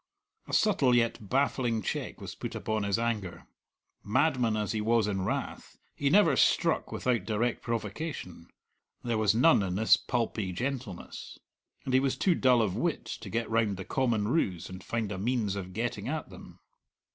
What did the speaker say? A subtle yet baffling check was put upon his anger. Madman as he was in wrath, he never struck without direct provocation; there was none in this pulpy gentleness. And he was too dull of wit to get round the common ruse and find a means of getting at them.